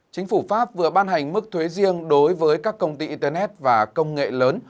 chính phủ pháp vừa ban hành mức thuế riêng đối với các công ty internet và công nghệ lớn